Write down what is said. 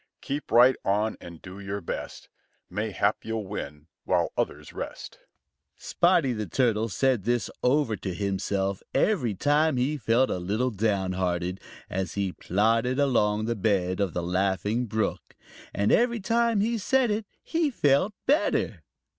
Keep right on and do your best; Mayhap you'll win while others rest." Spotty the Turtle said this over to himself every time he felt a little down hearted, as he plodded along the bed of the Laughing Brook. And every time he said it, he felt better.